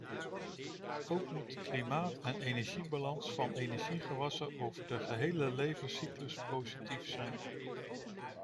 Ook moet de klimaat- en energiebalans van energiegewassen over de gehele levenscyclus positief zijn.